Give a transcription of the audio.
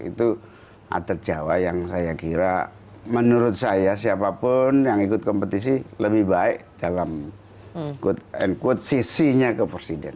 itu atas jawa yang saya kira menurut saya siapapun yang ikut kompetisi lebih baik dalam sisi ke presiden